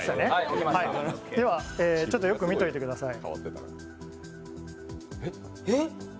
では、よく見ておいてください。